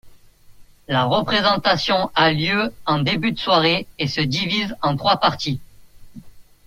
La représentation a lieu en début de soirée et se divise en trois parties.